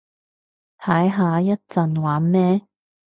睇下一陣玩咩